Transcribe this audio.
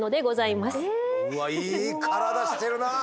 うわっいい体してるなあ！